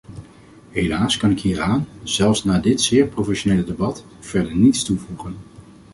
Helaas kan ik hieraan, zelfs na dit zeer professionele debat, verder niets toevoegen.